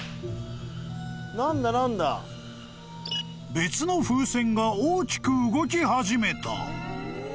［別の風船が大きく動き始めた］